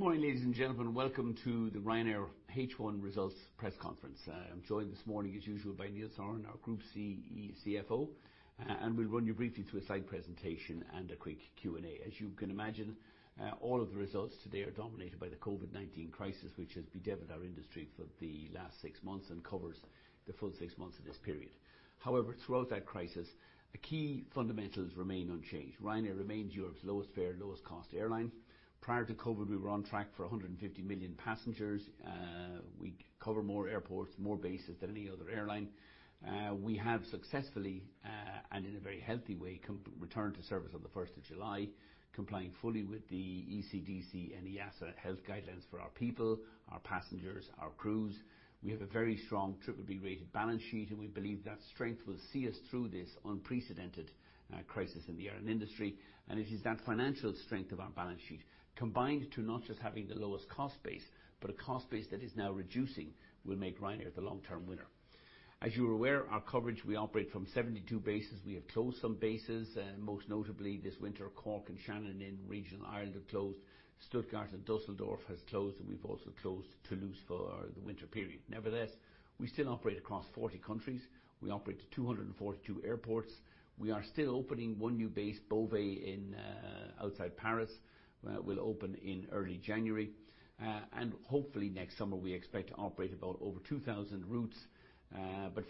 Good morning, ladies and gentlemen. Welcome to the Ryanair H1 results press conference. I am joined this morning, as usual, by Neil Sorahan, our Group CFO, and we will run you briefly through a slide presentation and a quick Q&A. As you can imagine, all of the results today are dominated by the COVID-19 crisis, which has bedeviled our industry for the last six months and covers the full six months of this period. However, throughout that crisis, the key fundamentals remain unchanged. Ryanair remains Europe's lowest fare, lowest cost airline. Prior to COVID, we were on track for 150 million passengers. We cover more airports, more bases than any other airline. We have successfully, and in a very healthy way, returned to service on the 1st of July, complying fully with the ECDC and EASA health guidelines for our people, our passengers, our crews. We have a very strong BBB-rated balance sheet, we believe that strength will see us through this unprecedented crisis in the airline industry. It is that financial strength of our balance sheet, combined to not just having the lowest cost base, but a cost base that is now reducing, will make Ryanair the long-term winner. As you are aware, our coverage, we operate from 72 bases. We have closed some bases, most notably this winter, Cork and Shannon in regional Ireland are closed. Stuttgart and Düsseldorf has closed, and we've also closed Toulouse for the winter period. Nevertheless, we still operate across 40 countries. We operate to 242 airports. We are still opening one new base, Beauvais outside Paris, will open in early January. Hopefully next summer we expect to operate about over 2,000 routes.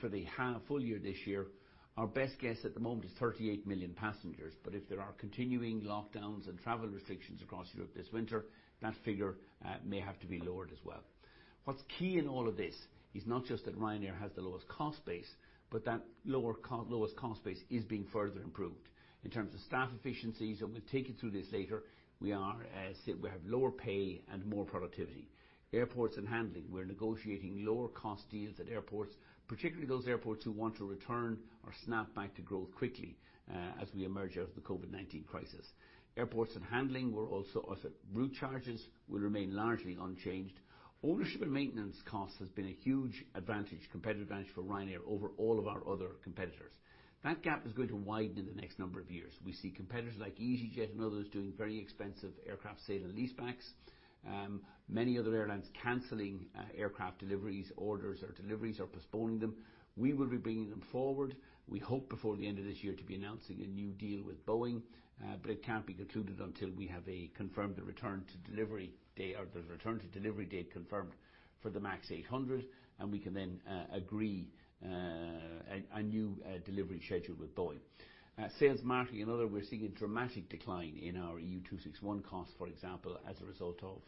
For the full year this year, our best guess at the moment is 38 million passengers. If there are continuing lockdowns and travel restrictions across Europe this winter, that figure may have to be lowered as well. What's key in all of this is not just that Ryanair has the lowest cost base, but that lowest cost base is being further improved. In terms of staff efficiencies, and we'll take you through this later, we have lower pay and more productivity. Airports and handling, we're negotiating lower cost deals at airports, particularly those airports who want to return or snap back to growth quickly as we emerge out of the COVID-19 crisis. Airports and handling, where also route charges will remain largely unchanged. Ownership and maintenance costs has been a huge advantage, competitive advantage for Ryanair over all of our other competitors. That gap is going to widen in the next number of years. We see competitors like EasyJet and others doing very expensive aircraft sale and leasebacks. Many other airlines canceling aircraft deliveries, orders or deliveries, or postponing them. We will be bringing them forward. We hope before the end of this year to be announcing a new deal with Boeing. It can't be concluded until we have a return to delivery date confirmed for the MAX 800. We can then agree a new delivery schedule with Boeing. Sales, marketing and other, we're seeing a dramatic decline in our EU261 cost, for example, as a result of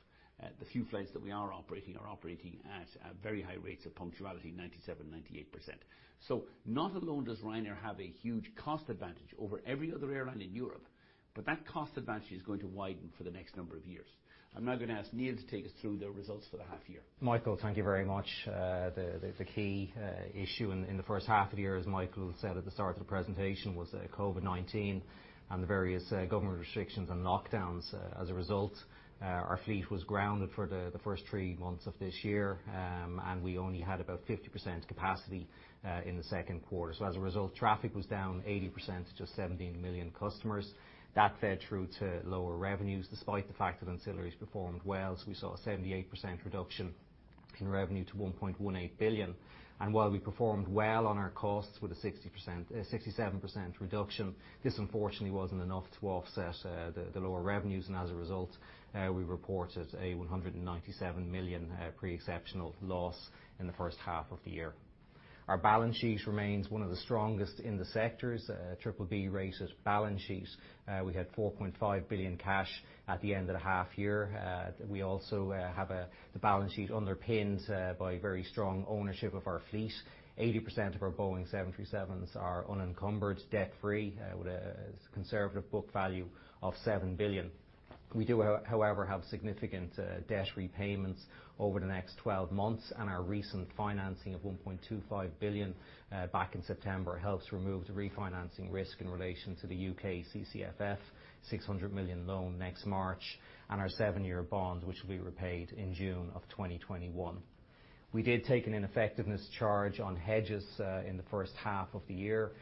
the few flights that we are operating are operating at very high rates of punctuality, 97%-98%. Not alone does Ryanair have a huge cost advantage over every other airline in Europe, but that cost advantage is going to widen for the next number of years. I'm now going to ask Neil to take us through the results for the half year. Michael, thank you very much. The key issue in the first half of the year, as Michael said at the start of the presentation, was COVID-19 and the various government restrictions and lockdowns. Our fleet was grounded for the first three months of this year, and we only had about 50% capacity in the second quarter. Traffic was down 80% to 17 million customers. That fed through to lower revenues, despite the fact that ancillaries performed well. We saw a 78% reduction in revenue to 1.18 billion. While we performed well on our costs with a 67% reduction, this unfortunately wasn't enough to offset the lower revenues. We reported a 197 million pre-exceptional loss in the first half of the year. Our balance sheet remains one of the strongest in the sectors, BBB rated balance sheet. We had 4.5 billion cash at the end of the half year. We also have the balance sheet underpinned by very strong ownership of our fleet. 80% of our Boeing 737s are unencumbered, debt-free, with a conservative book value of 7 billion. We do, however, have significant debt repayments over the next 12 months, and our recent financing of 1.25 billion back in September helps remove the refinancing risk in relation to the UK CCFF 600 million loan next March, and our seven-year bond, which will be repaid in June 2021. We did take an ineffectiveness charge on hedges in the first half of the year.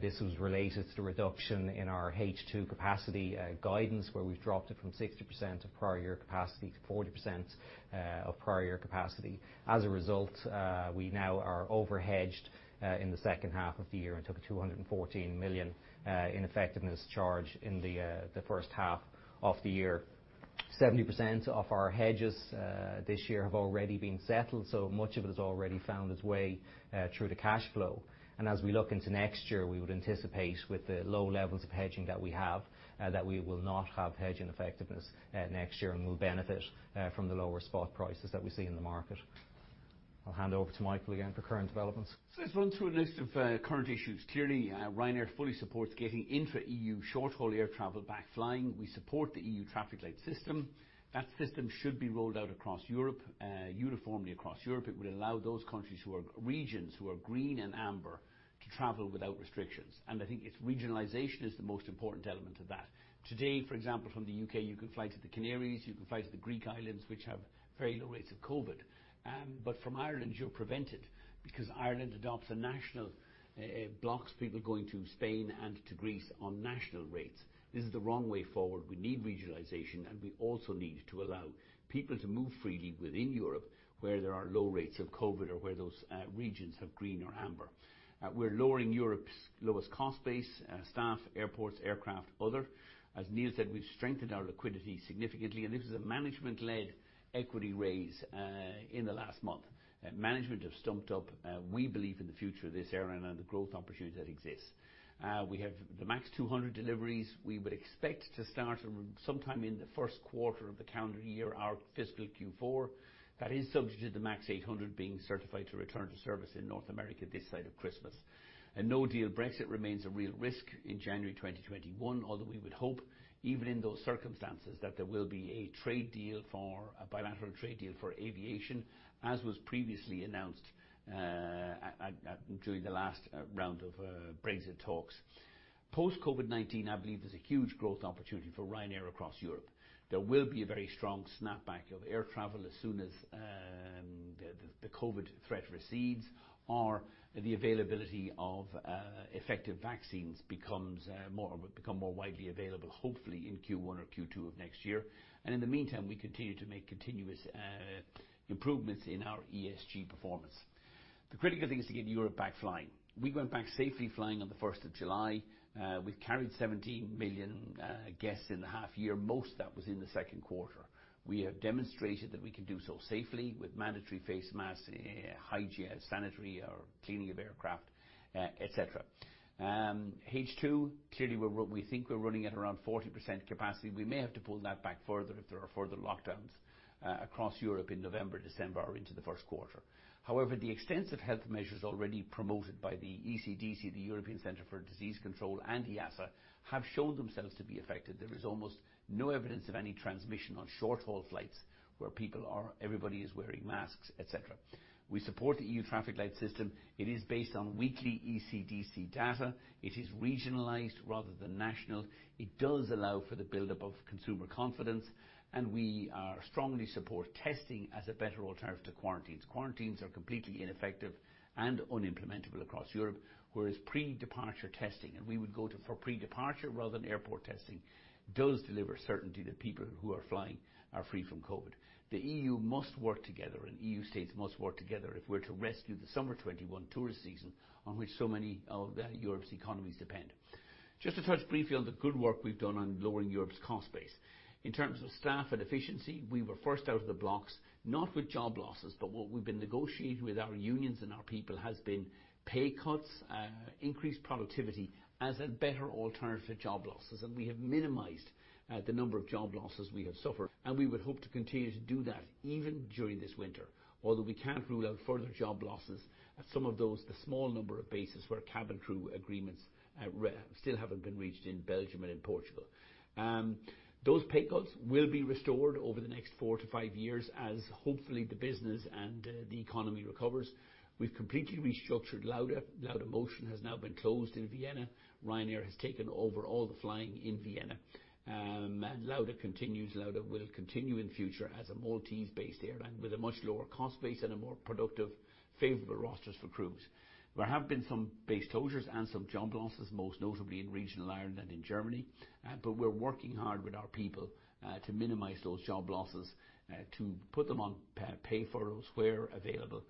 This was related to the reduction in our H2 capacity guidance, where we've dropped it from 60% of prior year capacity to 40% of prior year capacity. As a result, we now are overhedged in the second half of the year and took a 214 million ineffectiveness charge in the first half of the year. 70% of our hedges this year have already been settled, much of it has already found its way through to cash flow. As we look into next year, we would anticipate with the low levels of hedging that we have, that we will not have hedge ineffectiveness next year and will benefit from the lower spot prices that we see in the market. I'll hand over to Michael again for current developments. Let's run through a list of current issues. Clearly, Ryanair fully supports getting intra-EU short-haul air travel back flying. We support the EU traffic light system. That system should be rolled out across Europe, uniformly across Europe. It would allow those countries or regions who are green and amber to travel without restrictions. I think its regionalization is the most important element of that. Today, for example, from the U.K., you can fly to the Canaries, you can fly to the Greek islands, which have very low rates of COVID. From Ireland, you're prevented, because Ireland adopts a national blocks people going to Spain and to Greece on national rates. This is the wrong way forward. We need regionalization, and we also need to allow people to move freely within Europe where there are low rates of COVID or where those regions have green or amber. We're lowering Europe's lowest cost base, staff, airports, aircraft, other. As Neil said, we've strengthened our liquidity significantly, and this is a management-led equity raise in the last month. Management have stumped up. We believe in the future of this airline and the growth opportunities that exist. We have the MAX 200 deliveries. We would expect to start sometime in the first quarter of the calendar year, our fiscal Q4. That is subject to the MAX 800 being certified to return to service in North America this side of Christmas. A no-deal Brexit remains a real risk in January 2021, although we would hope, even in those circumstances, that there will be a bilateral trade deal for aviation, as was previously announced during the last round of Brexit talks. Post-COVID-19, I believe there's a huge growth opportunity for Ryanair across Europe. There will be a very strong snapback of air travel as soon as the COVID-19 threat recedes or the availability of effective vaccines become more widely available, hopefully in Q1 or Q2 of next year. In the meantime, we continue to make continuous improvements in our ESG performance. The critical thing is to get Europe back flying. We went back safely flying on the 1st of July. We've carried 17 million guests in the half year. Most of that was in the second quarter. We have demonstrated that we can do so safely with mandatory face masks, hygiene, sanitary or cleaning of aircraft, et cetera. H2, clearly, we think we're running at around 40% capacity. We may have to pull that back further if there are further lockdowns across Europe in November, December or into the first quarter. The extensive health measures already promoted by the ECDC, the European Centre for Disease Prevention and Control, and EASA, have shown themselves to be effective. There is almost no evidence of any transmission on short-haul flights where everybody is wearing masks, et cetera. We support the EU traffic light system. It is based on weekly ECDC data. It is regionalized rather than national. It does allow for the buildup of consumer confidence, and we strongly support testing as a better alternative to quarantines. Quarantines are completely ineffective and unimplementable across Europe, whereas pre-departure testing, and we would go for pre-departure rather than airport testing, does deliver certainty that people who are flying are free from COVID-19. The EU must work together, and EU states must work together if we're to rescue the summer 2021 tourist season on which so many of Europe's economies depend. Just to touch briefly on the good work we've done on lowering Europe's cost base. In terms of staff and efficiency, we were first out of the blocks, not with job losses, but what we've been negotiating with our unions and our people has been pay cuts, increased productivity as a better alternative to job losses. We have minimized the number of job losses we have suffered. We would hope to continue to do that even during this winter. Although we can't rule out further job losses at some of those, the small number of bases where cabin crew agreements still haven't been reached in Belgium and in Portugal. Those pay cuts will be restored over the next four to five years as hopefully the business and the economy recovers. We've completely restructured Lauda. Laudamotion has now been closed in Vienna. Ryanair has taken over all the flying in Vienna. Lauda will continue in the future as a Maltese-based airline with a much lower cost base and a more productive, favorable rosters for crews. There have been some base closures and some job losses, most notably in regional Ireland and in Germany. We're working hard with our people to minimize those job losses, to put them on pay for those where available,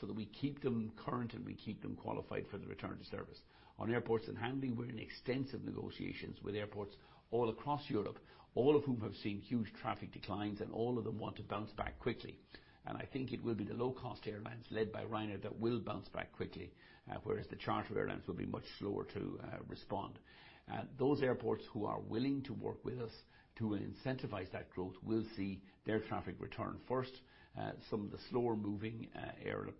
so that we keep them current and we keep them qualified for the return to service. On airports and handling, we're in extensive negotiations with airports all across Europe, all of whom have seen huge traffic declines, and all of them want to bounce back quickly. I think it will be the low-cost airlines led by Ryanair that will bounce back quickly, whereas the charter airlines will be much slower to respond. Those airports who are willing to work with us to incentivize that growth will see their traffic return first. Some of the slower-moving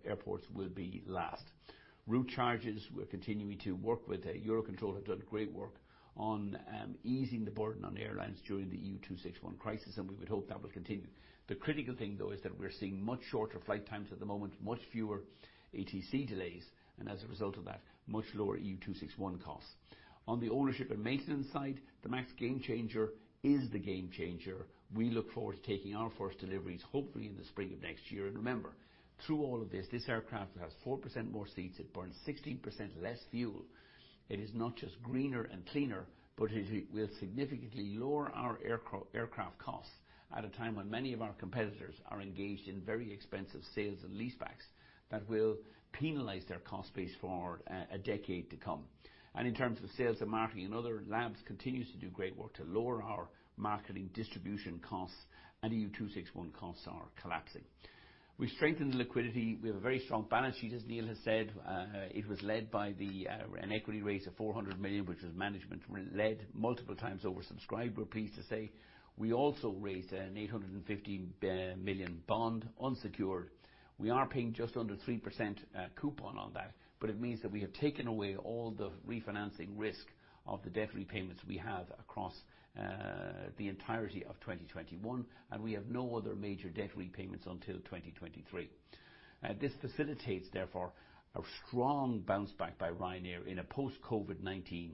airports will be last. Route charges, we're continuing to work with Eurocontrol, have done great work on easing the burden on airlines during the EU261 crisis, and we would hope that will continue. The critical thing, though, is that we're seeing much shorter flight times at the moment, much fewer ATC delays, and as a result of that, much lower EU261 costs. On the ownership and maintenance side, the MAX Gamechanger is the Gamechanger. We look forward to taking our first deliveries, hopefully in the spring of next year. Remember, through all of this aircraft has 4% more seats. It burns 16% less fuel. It is not just greener and cleaner, it will significantly lower our aircraft costs at a time when many of our competitors are engaged in very expensive sales and leasebacks that will penalize their cost base for a decade to come. In terms of sales and marketing and other Labs continues to do great work to lower our marketing distribution costs, EU261 costs are collapsing. We've strengthened the liquidity. We have a very strong balance sheet, as Neil has said. It was led by an equity raise of 400 million, which was management-led, multiple times oversubscribed, we're pleased to say. We also raised an 850 million bond unsecured. We are paying just under 3% coupon on that, but it means that we have taken away all the refinancing risk of the debt repayments we have across the entirety of 2021, and we have no other major debt repayments until 2023.This facilitates therefore a strong bounce back by Ryanair in a post-COVID-19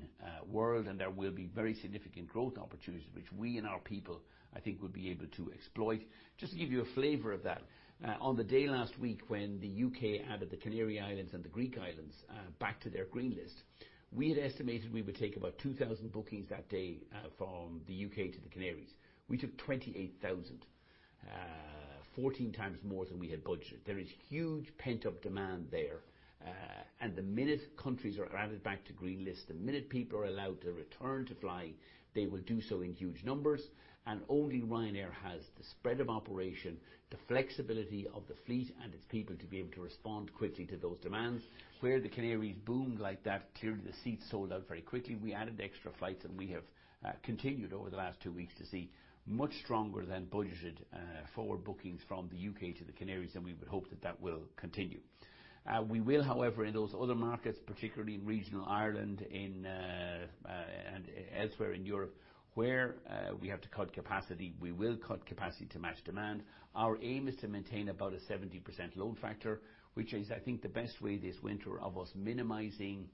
world, and there will be very significant growth opportunities which we and our people, I think, will be able to exploit. Just to give you a flavor of that, on the day last week when the U.K. added the Canary Islands and the Greek Islands back to their green list, we had estimated we would take about 2,000 bookings that day from the U.K. to the Canaries. We took 28,000. 14 times more than we had budgeted. There is huge pent-up demand there. The minute countries are added back to green list, the minute people are allowed to return to fly, they will do so in huge numbers. Only Ryanair has the spread of operation, the flexibility of the fleet and its people to be able to respond quickly to those demands. Where the Canaries boomed like that, clearly the seats sold out very quickly. We added extra flights, and we have continued over the last two weeks to see much stronger than budgeted forward bookings from the U.K. to the Canaries, and we would hope that that will continue. We will however, in those other markets, particularly in regional Ireland and elsewhere in Europe, where we have to cut capacity, we will cut capacity to match demand. Our aim is to maintain about a 70% load factor, which is, I think, the best way this winter of us minimizing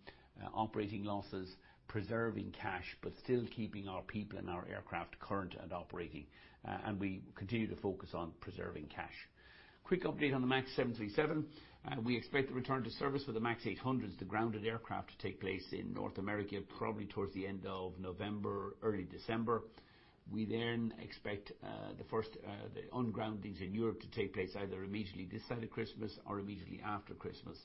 operating losses, preserving cash, but still keeping our people and our aircraft current and operating. We continue to focus on preserving cash. Quick update on the 737 MAX. We expect the return to service for the MAX 800s, the grounded aircraft to take place in North America, probably towards the end of November, early December. We then expect the ungroundings in Europe to take place either immediately this side of Christmas or immediately after Christmas.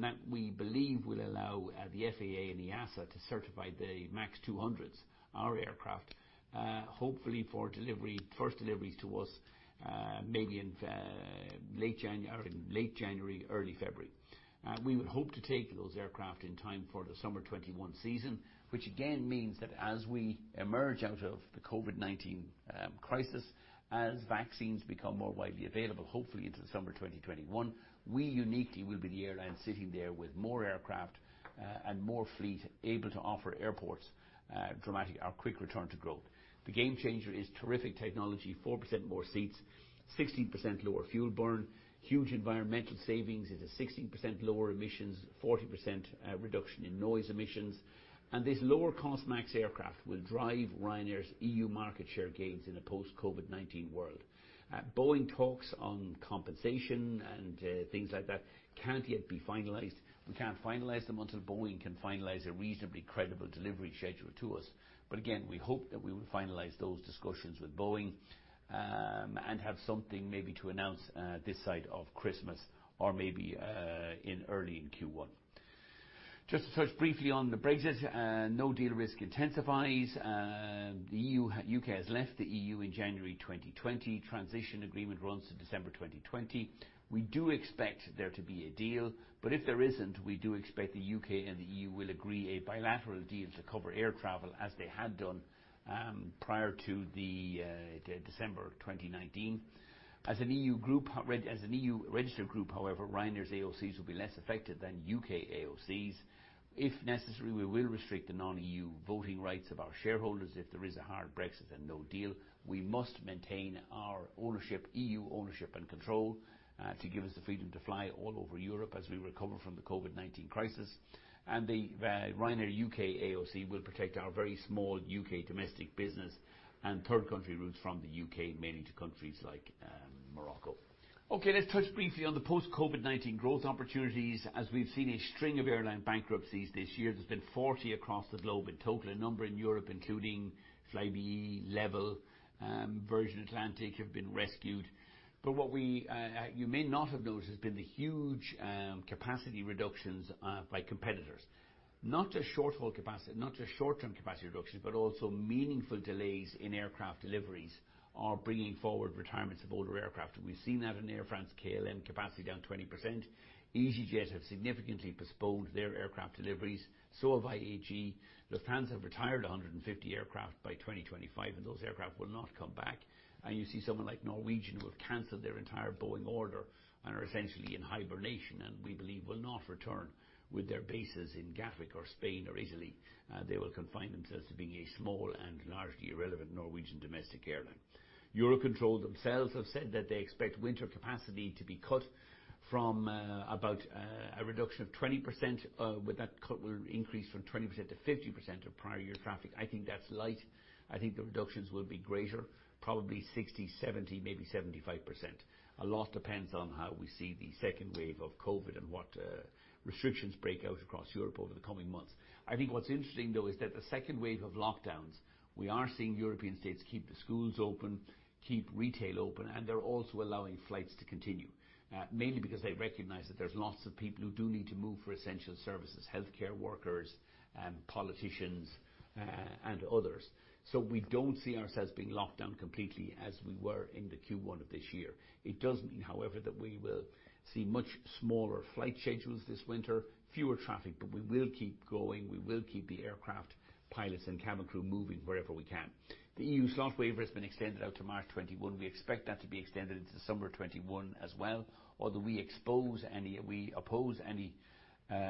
That, we believe, will allow the FAA and the EASA to certify the MAX 200s, our aircraft, hopefully for first deliveries to us maybe in late January, early February. We would hope to take those aircraft in time for the summer 2021 season, which again means that as we emerge out of the COVID-19 crisis, as vaccines become more widely available, hopefully into December 2021, we uniquely will be the airline sitting there with more aircraft and more fleet able to offer airports dramatic or quick return to growth. The Gamechanger is terrific technology, 4% more seats, 16% lower fuel burn, huge environmental savings. It is 16% lower emissions, 40% reduction in noise emissions. This lower cost MAX aircraft will drive Ryanair's EU market share gains in a post-COVID-19 world. Boeing talks on compensation and things like that can't yet be finalized. We can't finalize them until Boeing can finalize a reasonably credible delivery schedule to us. Again, we hope that we will finalize those discussions with Boeing, and have something maybe to announce this side of Christmas or maybe early in Q1. Just to touch briefly on the Brexit. No deal risk intensifies. The U.K. has left the EU in January 2020. Transition agreement runs to December 2020. We do expect there to be a deal, but if there isn't, we do expect the U.K. and the EU will agree a bilateral deal to cover air travel as they had done prior to December 2019. As an EU registered group, however, Ryanair's AOCs will be less affected than U.K. AOCs. If necessary, we will restrict the non-EU voting rights of our shareholders if there is a hard Brexit and no deal. We must maintain our EU ownership and control to give us the freedom to fly all over Europe as we recover from the COVID-19 crisis. The Ryanair U.K. AOC will protect our very small U.K. domestic business and third country routes from the U.K., mainly to countries like Morocco. Okay, let's touch briefly on the post-COVID-19 growth opportunities. As we've seen a string of airline bankruptcies this year, there's been 40 across the globe in total. A number in Europe, including Flybe, LEVEL, Virgin Atlantic, have been rescued. What you may not have noticed has been the huge capacity reductions by competitors. Not just short-term capacity reductions, but also meaningful delays in aircraft deliveries are bringing forward retirements of older aircraft. We've seen that in Air France, KLM capacity down 20%. EasyJet have significantly postponed their aircraft deliveries. Have IAG. Lufthansa have retired 150 aircraft by 2025. Those aircraft will not come back. You see someone like Norwegian who have canceled their entire Boeing order and are essentially in hibernation, and we believe will not return with their bases in Gatwick or Spain or Italy. They will confine themselves to being a small and largely irrelevant Norwegian domestic airline. Eurocontrol themselves have said that they expect winter capacity to be cut from about a reduction of 20%, with that cut will increase from 20%-50% of prior year traffic. I think that's light. I think the reductions will be greater, probably 60, 70, maybe 75%. A lot depends on how we see the second wave of COVID and what restrictions break out across Europe over the coming months. I think what's interesting, though, is that the second wave of lockdowns, we are seeing European states keep the schools open, keep retail open, and they're also allowing flights to continue. Mainly because they recognize that there's lots of people who do need to move for essential services, healthcare workers, politicians, and others. We don't see ourselves being locked down completely as we were in the Q1 of this year. It does mean, however, that we will see much smaller flight schedules this winter, fewer traffic, but we will keep going. We will keep the aircraft, pilots, and cabin crew moving wherever we can. The EU slot waiver has been extended out to March 21. We expect that to be extended into summer 2021 as well, although we oppose any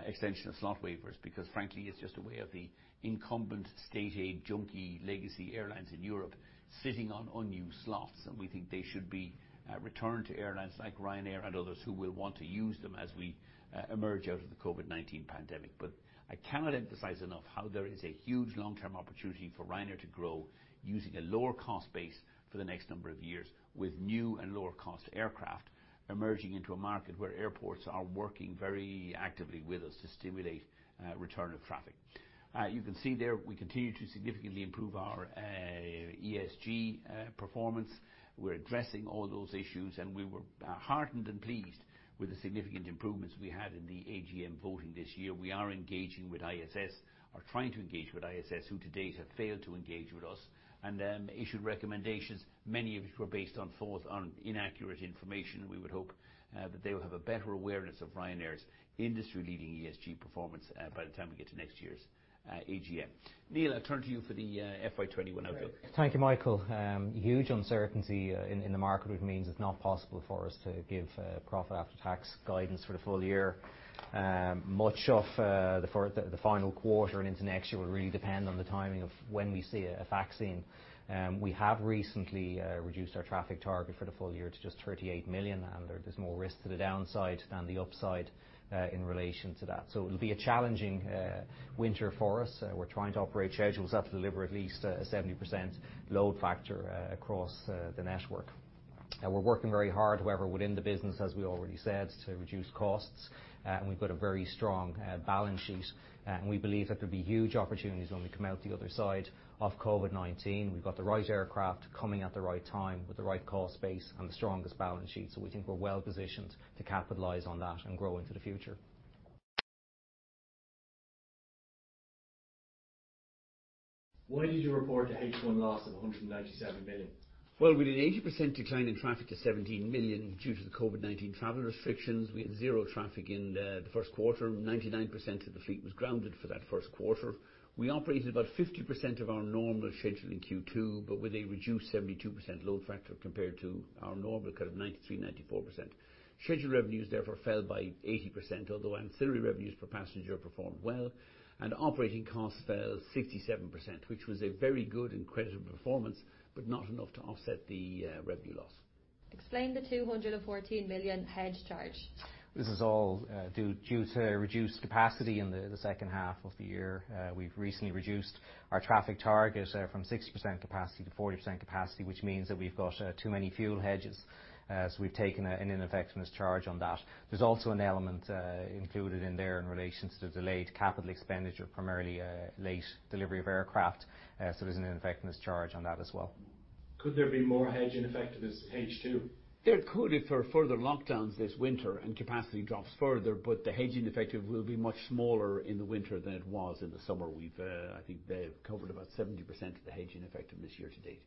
extension of slot waivers because frankly, it's just a way of the incumbent state aid junkie legacy airlines in Europe sitting on unused slots, and we think they should be returned to airlines like Ryanair and others who will want to use them as we emerge out of the COVID-19 pandemic. I cannot emphasize enough how there is a huge long-term opportunity for Ryanair to grow using a lower cost base for the next number of years with new and lower cost aircraft emerging into a market where airports are working very actively with us to stimulate return of traffic. You can see there, we continue to significantly improve our ESG performance. We're addressing all those issues, and we were heartened and pleased with the significant improvements we had in the AGM voting this year. We are engaging with ISS, or trying to engage with ISS, who to date have failed to engage with us and issued recommendations, many of which were based on false or inaccurate information. We would hope that they will have a better awareness of Ryanair's industry-leading ESG performance by the time we get to next year's AGM. Neil, I turn to you for the FY 2021 outlook. Thank you, Michael. Huge uncertainty in the market, which means it's not possible for us to give profit after tax guidance for the full year. Much of the final quarter into next year will really depend on the timing of when we see a vaccine. We have recently reduced our traffic target for the full year to just 38 million, There's more risk to the downside than the upside in relation to that. It'll be a challenging winter for us. We're trying to operate schedules that will deliver at least a 70% load factor across the network. We're working very hard, however, within the business, as we already said, to reduce costs. We've got a very strong balance sheet, and we believe that there'll be huge opportunities when we come out the other side of COVID-19. We've got the right aircraft coming at the right time with the right cost base and the strongest balance sheet. We think we're well-positioned to capitalize on that and grow into the future. Why did you report a H1 loss of 197 million? We did 80% decline in traffic to 17 million due to the COVID-19 travel restrictions. We had zero traffic in the first quarter. 99% of the fleet was grounded for that first quarter. We operated about 50% of our normal schedule in Q2, but with a reduced 72% load factor compared to our normal kind of 93%, 94%. schedule revenues therefore fell by 80%, although ancillary revenues per passenger performed well, and operating costs fell 67%, which was a very good and credible performance, but not enough to offset the revenue loss. Explain the 214 million hedge charge. This is all due to reduced capacity in the second half of the year. We've recently reduced our traffic target from 60% capacity to 40% capacity, which means that we've got too many fuel hedges. We've taken an ineffectiveness charge on that. There's also an element included in there in relation to the delayed capital expenditure, primarily late delivery of aircraft. There's an ineffectiveness charge on that as well. Could there be more hedge ineffectiveness H2? There could if there are further lockdowns this winter and capacity drops further, but the hedge ineffectiveness will be much smaller in the winter than it was in the summer. We've, I think, covered about 70% of the hedge ineffectiveness year to date.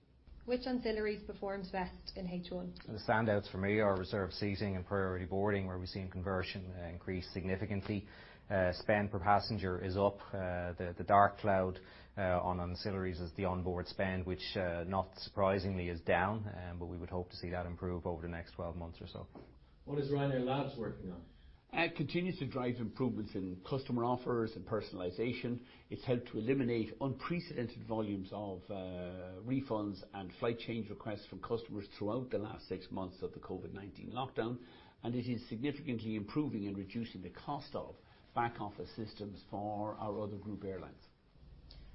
Which ancillaries performed best in H1? The standouts for me are reserved seating and priority boarding, where we've seen conversion increase significantly. Spend per passenger is up. The dark cloud on ancillaries is the onboard spend, which not surprisingly is down. We would hope to see that improve over the next 12 months or so. What is Ryanair Labs working on? Continues to drive improvements in customer offers and personalization. It's helped to eliminate unprecedented volumes of refunds and flight change requests from customers throughout the last six months of the COVID-19 lockdown, and it is significantly improving and reducing the cost of back office systems for our other group airlines.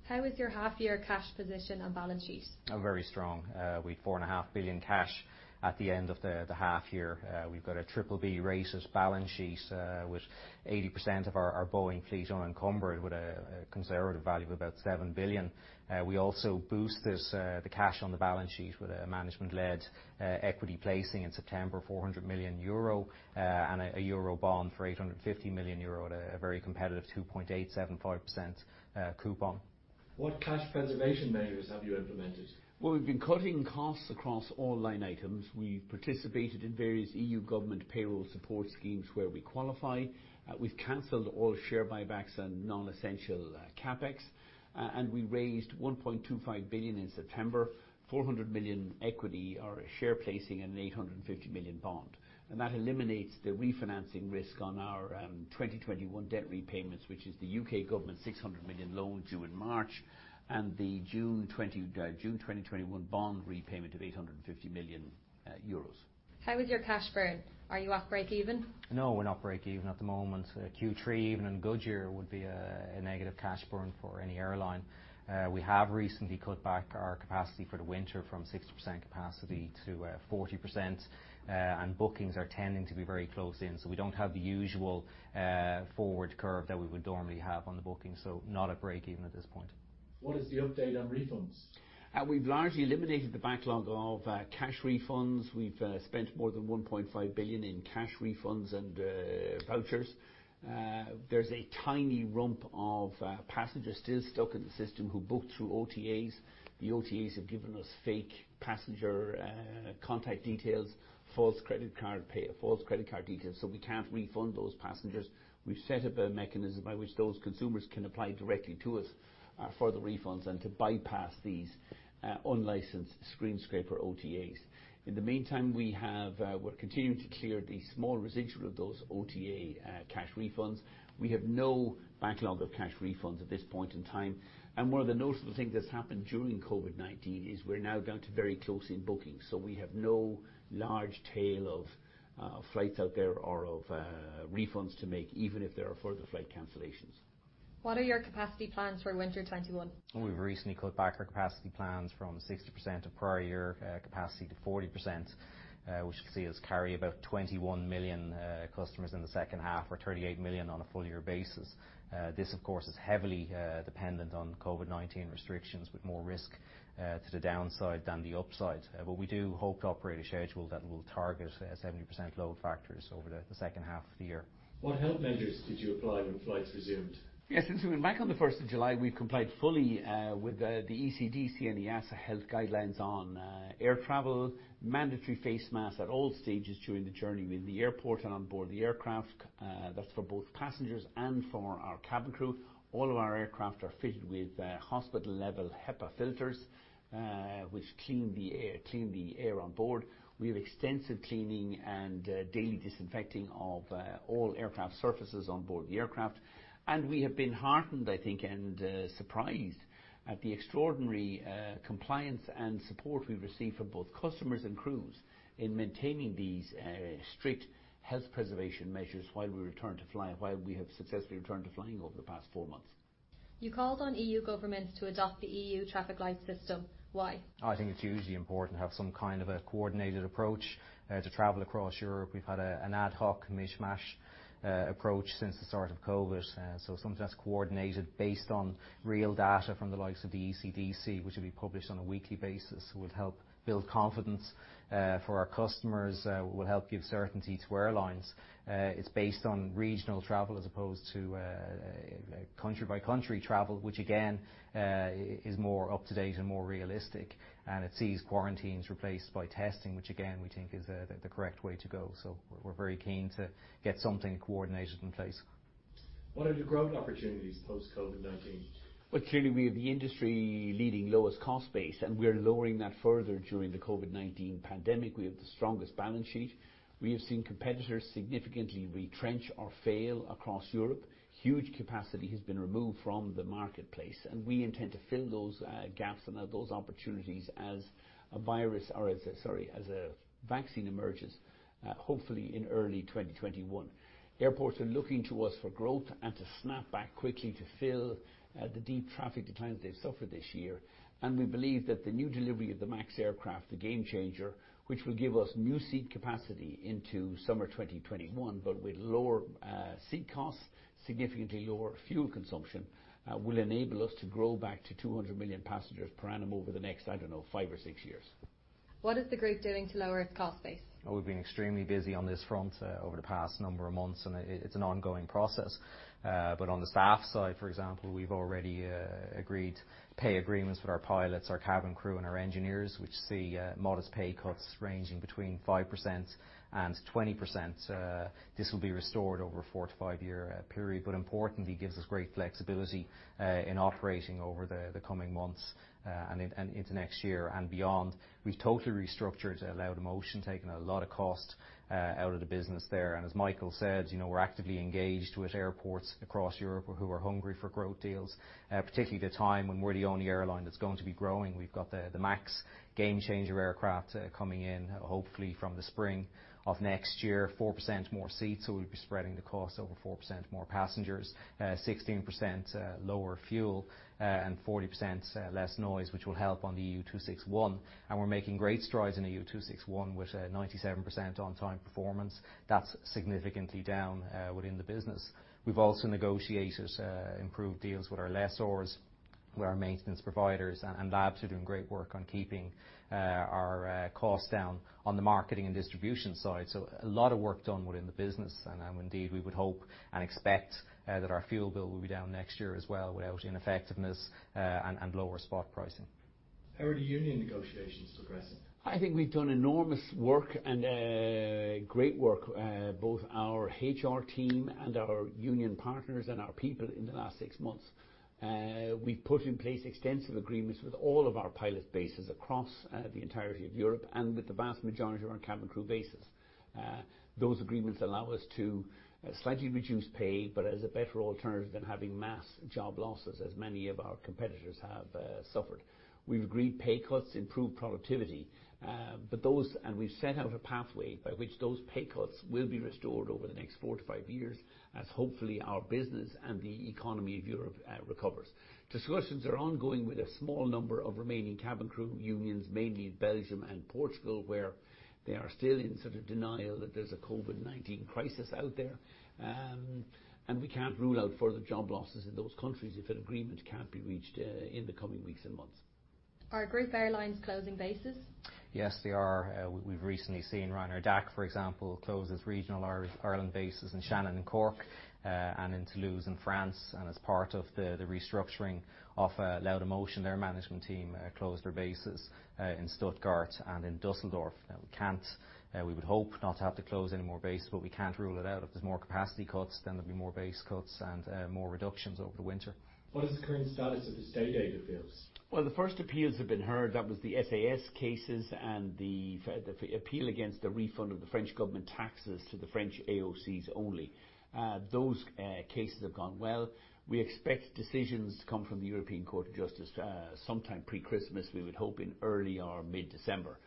How is your half year cash position and balance sheet? Very strong. We had 4.5 billion cash at the end of the half year. We've got a BBB rated balance sheet with 80% of our Boeing fleet unencumbered with a conservative value of about 7 billion. We also boost the cash on the balance sheet with a management-led equity placing in September, 400 million euro, and a euro bond for 850 million euro at a very competitive 2.875% coupon. What cash preservation measures have you implemented? Well, we've been cutting costs across all line items. We've participated in various EU government payroll support schemes where we qualify. We've canceled all share buybacks and non-essential CapEx. We raised 1.25 billion in September, 400 million equity or a share placing and an 850 million bond. That eliminates the refinancing risk on our 2021 debt repayments, which is the U.K. government 600 million loan due in March and the June 2021 bond repayment of 850 million euros. How is your cash burn? Are you at break even? No, we're not break even at the moment. Q3, even in a good year, would be a negative cash burn for any airline. We have recently cut back our capacity for the winter from 60% capacity to 40%, and bookings are tending to be very close in, so we don't have the usual forward curve that we would normally have on the bookings. Not at break even at this point. What is the update on refunds? We've largely eliminated the backlog of cash refunds. We've spent more than 1.5 billion in cash refunds and vouchers. There's a tiny rump of passengers still stuck in the system who booked through OTAs. The OTAs have given us fake passenger contact details, false credit card details, we can't refund those passengers. We've set up a mechanism by which those consumers can apply directly to us for the refunds and to bypass these unlicensed screen scraper OTAs. In the meantime, we're continuing to clear the small residual of those OTA cash refunds. We have no backlog of cash refunds at this point in time. One of the notable things that's happened during COVID-19 is we're now down to very close in booking, we have no large tail of flights out there or of refunds to make, even if there are further flight cancellations. What are your capacity plans for winter 2021? We've recently cut back our capacity plans from 60% of prior year capacity to 40%, which should see us carry about 21 million customers in the second half or 38 million on a full year basis. This, of course, is heavily dependent on COVID-19 restrictions, with more risk to the downside than the upside. We do hope to operate a schedule that will target 70% load factors over the second half of the year. What health measures did you apply when flights resumed? Yes, since we went back on the 1st of July, we've complied fully with the ECDC and EASA health guidelines on air travel. Mandatory face masks at all stages during the journey, in the airport and on board the aircraft. That's for both passengers and for our cabin crew. All of our aircraft are fitted with hospital-level HEPA filters, which clean the air on board. We have extensive cleaning and daily disinfecting of all aircraft surfaces on board the aircraft. We have been heartened, I think, and surprised at the extraordinary compliance and support we've received from both customers and crews in maintaining these strict health preservation measures while we have successfully returned to flying over the past four months. You called on EU governments to adopt the EU traffic light system. Why? I think it's hugely important to have some kind of a coordinated approach to travel across Europe. We've had an ad hoc mishmash approach since the start of COVID. Something that's coordinated based on real data from the likes of the ECDC, which will be published on a weekly basis, will help build confidence for our customers, will help give certainty to airlines. It's based on regional travel as opposed to country by country travel, which again, is more up to date and more realistic, and it sees quarantines replaced by testing, which again, we think is the correct way to go. We're very keen to get something coordinated in place. What are the growth opportunities post COVID-19? Well, clearly we have the industry leading lowest cost base, and we're lowering that further during the COVID-19 pandemic. We have the strongest balance sheet. We have seen competitors significantly retrench or fail across Europe. Huge capacity has been removed from the marketplace. We intend to fill those gaps and those opportunities as a vaccine emerges, hopefully in early 2021. Airports are looking to us for growth and to snap back quickly to fill the deep traffic declines they've suffered this year. We believe that the new delivery of the MAX aircraft, the Gamechanger, which will give us new seat capacity into summer 2021, but with lower seat costs, significantly lower fuel consumption, will enable us to grow back to 200 million passengers per annum over the next, I don't know, five or six years. What is the group doing to lower its cost base? We've been extremely busy on this front over the past number of months, and it's an ongoing process. On the staff side, for example, we've already agreed pay agreements with our pilots, our cabin crew, and our engineers, which see modest pay cuts ranging between 5% and 20%. This will be restored over a four to five-year period, but importantly gives us great flexibility in operating over the coming months and into next year and beyond. We've totally restructured Laudamotion, taken a lot of cost out of the business there. As Michael said, we're actively engaged with airports across Europe who are hungry for growth deals, particularly at a time when we're the only airline that's going to be growing. We've got the MAX Gamechanger aircraft coming in, hopefully from the spring of next year. 4% more seats. We'll be spreading the cost over 4% more passengers, 16% lower fuel, and 40% less noise, which will help on the EU 261. We're making great strides in EU 261 with 97% on time performance. That's significantly down within the business. We've also negotiated improved deals with our lessors, with our maintenance providers, and labs are doing great work on keeping our costs down on the marketing and distribution side. A lot of work done within the business, and indeed, we would hope and expect that our fuel bill will be down next year as well with our effectiveness and lower spot pricing. How are the union negotiations progressing? I think we've done enormous work and great work, both our HR team and our union partners and our people in the last six months. We've put in place extensive agreements with all of our pilot bases across the entirety of Europe and with the vast majority of our cabin crew bases. Those agreements allow us to slightly reduce pay, but as a better alternative than having mass job losses, as many of our competitors have suffered. We've agreed pay cuts improve productivity. We've set out a pathway by which those pay cuts will be restored over the next four to five years as hopefully our business and the economy of Europe recovers. Discussions are ongoing with a small number of remaining cabin crew unions, mainly Belgium and Portugal, where they are still in sort of denial that there's a COVID-19 crisis out there. We can't rule out further job losses in those countries if an agreement can't be reached in the coming weeks and months. Are group airlines closing bases? Yes, they are. We've recently seen Ryanair DAC, for example, close its regional Ireland bases in Shannon and Cork, and in Toulouse in France. As part of the restructuring of Laudamotion, their management team closed their bases in Stuttgart and in Dusseldorf. We would hope not to have to close any more bases, but we can't rule it out. If there's more capacity cuts, then there'll be more base cuts and more reductions over the winter. What is the current status of the state aid appeals? The first appeals have been heard. That was the SAS cases and the appeal against the refund of the French government taxes to the French AOCs only. Those cases have gone well. We expect decisions to come from the European Court of Justice sometime pre-Christmas, we would hope in early or mid-December.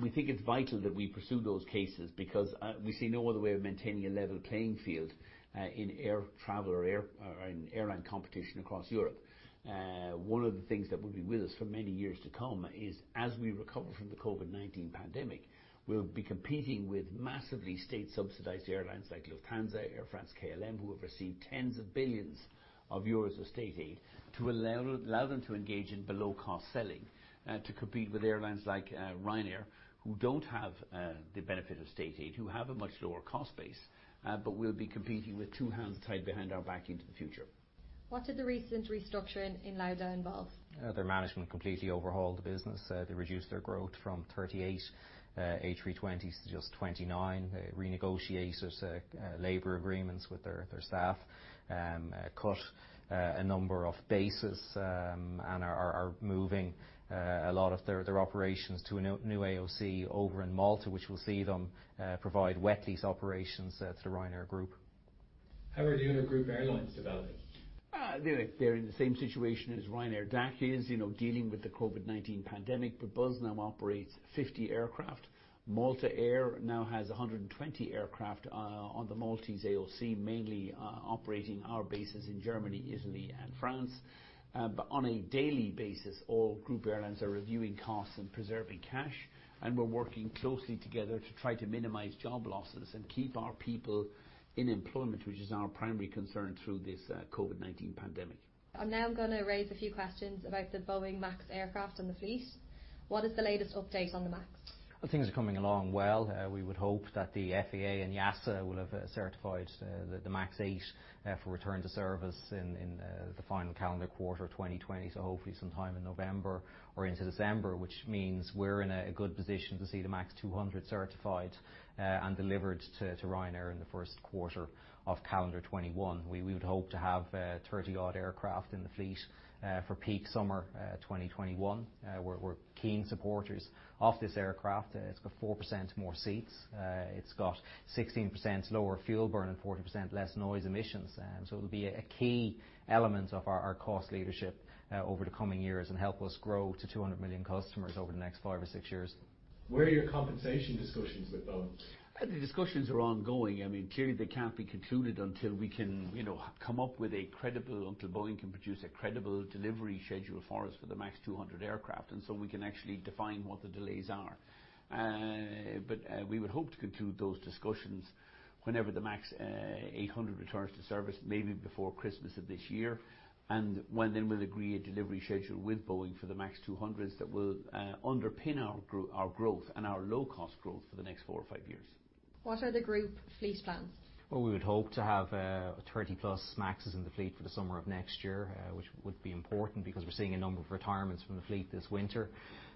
We think it's vital that we pursue those cases, because we see no other way of maintaining a level playing field in air travel or in airline competition across Europe. One of the things that would be with us for many years to come is, as we recover from the COVID-19 pandemic, we'll be competing with massively state-subsidized airlines like Lufthansa, Air France, KLM, who have received tens of billions of EUR of state aid to allow them to engage in below-cost selling to compete with airlines like Ryanair, who don't have the benefit of state aid, who have a much lower cost base. We'll be competing with two hands tied behind our back into the future. What did the recent restructuring in Lauda involve? Their management completely overhauled the business. They reduced their growth from 38 A320s to just 29. They renegotiated labor agreements with their staff, cut a number of bases, and are moving a lot of their operations to a new AOC over in Malta, which will see them provide wet lease operations to Ryanair Group. How are the other group airlines developing? They're in the same situation as Ryanair DAC is, dealing with the COVID-19 pandemic. Buzz now operates 50 aircraft. Malta Air now has 120 aircraft on the Maltese AOC, mainly operating our bases in Germany, Italy and France. On a daily basis, all group airlines are reviewing costs and preserving cash. We're working closely together to try to minimize job losses and keep our people in employment, which is our primary concern through this COVID-19 pandemic. I'm now going to raise a few questions about the Boeing MAX aircraft and the fleet. What is the latest update on the MAX? Things are coming along well. We would hope that the FAA and EASA will have certified the MAX 8 for return to service in the final calendar quarter of 2020, so hopefully sometime in November or into December, which means we're in a good position to see the MAX 200 certified and delivered to Ryanair in the first quarter of calendar 2021. We would hope to have 30 odd aircraft in the fleet for peak summer 2021. We're keen supporters of this aircraft. It's got 4% more seats. It's got 16% lower fuel burn and 40% less noise emissions. It'll be a key element of our cost leadership over the coming years and help us grow to 200 million customers over the next five or six years. Where are your compensation discussions with Boeing? The discussions are ongoing. Clearly they can't be concluded until Boeing can produce a credible delivery schedule for us for the MAX 200 aircraft, and so we can actually define what the delays are. We would hope to conclude those discussions whenever the MAX 800 returns to service, maybe before Christmas of this year. When then we'll agree a delivery schedule with Boeing for the MAX 200s that will underpin our growth and our low-cost growth for the next four or five years. What are the group fleet plans? Well, we would hope to have 30+ MAXs in the fleet for the summer of next year, which would be important because we're seeing a number of retirements from the fleet this winter.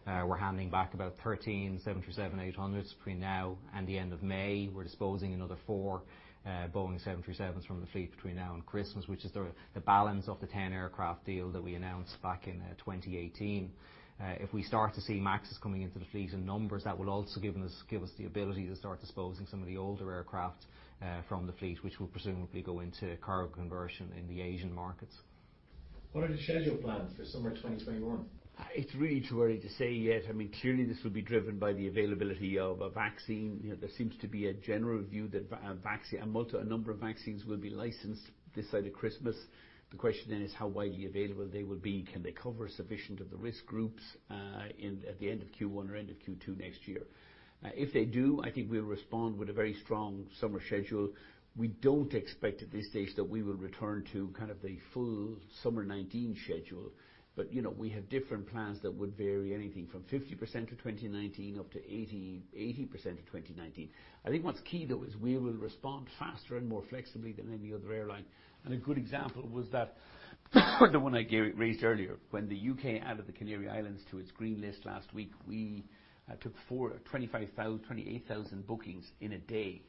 We're handing back about 13 737-800s between now and the end of May. We're disposing another four Boeing 737s from the fleet between now and Christmas, which is the balance of the 10-aircraft deal that we announced back in 2018. If we start to see MAXs coming into the fleet in numbers, that will also give us the ability to start disposing some of the older aircraft from the fleet, which will presumably go into cargo conversion in the Asian markets. What are the schedule plans for summer 2021? It's really too early to say yet. Clearly this will be driven by the availability of a vaccine. There seems to be a general view that a number of vaccines will be licensed this side of Christmas. The question is how widely available they will be. Can they cover sufficient of the risk groups at the end of Q1 or end of Q2 next year? If they do, I think we'll respond with a very strong summer schedule. We don't expect at this stage that we will return to kind of the full summer '19 schedule. We have different plans that would vary anything from 50% of 2019 up to 80% of 2019. I think what's key, though, is we will respond faster and more flexibly than any other airline. A good example was the one I raised earlier. When the U.K. added the Canary Islands to its green list last week, we took 28,000 bookings in a day,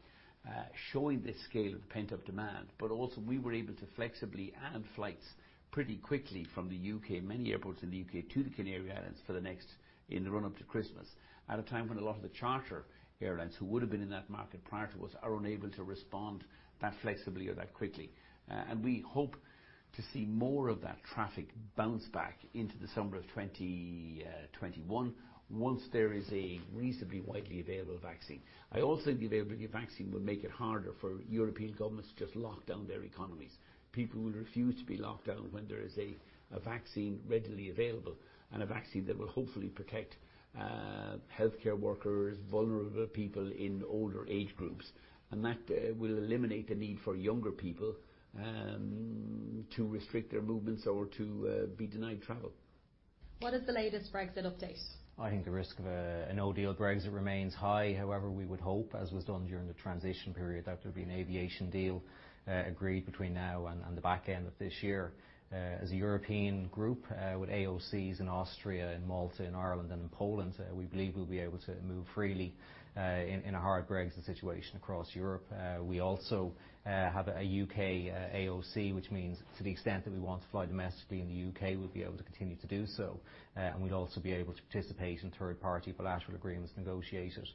showing the scale of pent-up demand. Also we were able to flexibly add flights pretty quickly from the U.K., many airports in the U.K., to the Canary Islands in the run-up to Christmas, at a time when a lot of the charter airlines who would have been in that market prior to us are unable to respond that flexibly or that quickly. We hope to see more of that traffic bounce back into the summer of 2021 once there is a reasonably widely available vaccine. I also think the availability of vaccine will make it harder for European governments to just lock down their economies. People will refuse to be locked down when there is a vaccine readily available, and a vaccine that will hopefully protect healthcare workers, vulnerable people in older age groups. That will eliminate the need for younger people to restrict their movements or to be denied travel. What is the latest Brexit update? I think the risk of a no-deal Brexit remains high. We would hope, as was done during the transition period, that there'd be an aviation deal agreed between now and the back end of this year. As a European group, with AOCs in Austria, in Malta, in Ireland, and in Poland, we believe we'll be able to move freely in a hard Brexit situation across Europe. We also have a U.K. AOC, which means to the extent that we want to fly domestically in the U.K., we'll be able to continue to do so. We'd also be able to participate in third-party bilateral agreements negotiated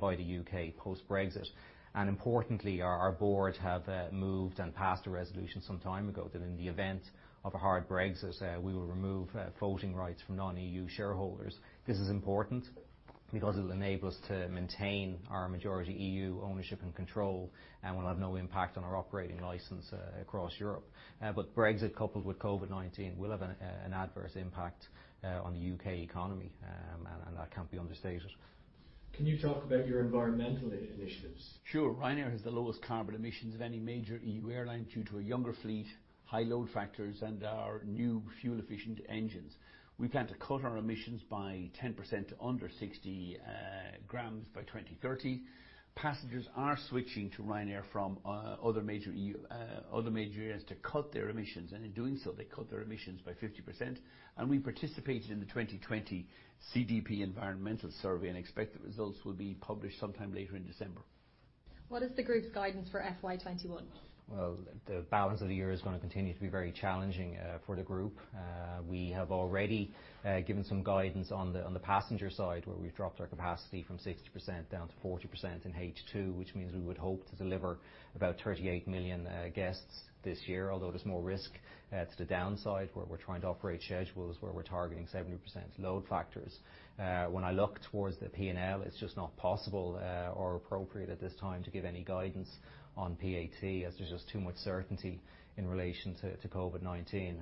by the U.K. post-Brexit. Importantly, our board have moved and passed a resolution some time ago that in the event of a hard Brexit, we will remove voting rights from non-EU shareholders. This is important because it'll enable us to maintain our majority EU ownership and control, and will have no impact on our operating license across Europe. Brexit coupled with COVID-19 will have an adverse impact on the U.K. economy, and that can't be understated. Can you talk about your environmental initiatives? Sure. Ryanair has the lowest carbon emissions of any major EU airline due to a younger fleet, high load factors, and our new fuel-efficient engines. We plan to cut our emissions by 10% to under 60 grams by 2030. Passengers are switching to Ryanair from other major airlines to cut their emissions, and in doing so, they cut their emissions by 50%. We participated in the 2020 CDP environmental survey and expect the results will be published sometime later in December. What is the Group's guidance for FY 2021? Well, the balance of the year is going to continue to be very challenging for the Group. We have already given some guidance on the passenger side, where we've dropped our capacity from 60% down to 40% in H2, which means we would hope to deliver about 38 million guests this year, although there's more risk to the downside, where we're trying to operate schedules where we're targeting 70% load factors. When I look towards the P&L, it's just not possible or appropriate at this time to give any guidance on PAT, as there's just too much uncertainty in relation to COVID-19.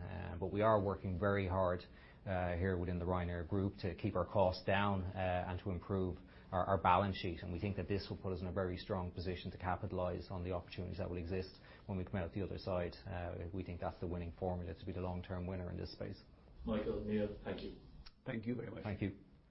We are working very hard here within the Ryanair Group to keep our costs down and to improve our balance sheet. We think that this will put us in a very strong position to capitalize on the opportunities that will exist when we come out the other side. We think that's the winning formula to be the long-term winner in this space. Michael, Neil, thank you. Thank you very much. Thank you.